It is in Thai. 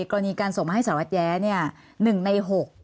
กรณีการส่งมาให้สารวัตรแย้๑ใน๖